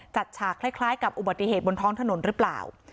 ฉากคล้ายกับอุบัติเหตุบนท้องถนนหรือเปล่า